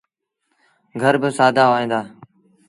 گھر با سآدآ هوئيݩ دآ۔